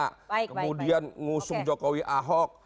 kemudian ngusung jokowi ahok